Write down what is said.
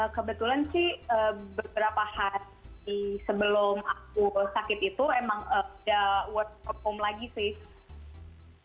kebetulan sih beberapa hari sebelum aku sakit itu emang udah worse perform lagi sih